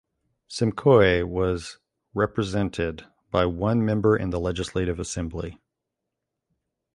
Simcoe was represented by one member in the Legislative Assembly.